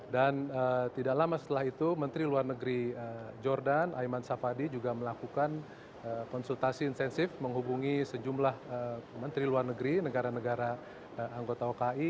dan tidak lama setelah itu menteri luar negeri jordan aiman safadi juga melakukan konsultasi insensif menghubungi sejumlah menteri luar negeri negara negara anggota oki